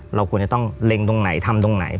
เราควรจะต้องเล็งตรงไหนทำตรงไหน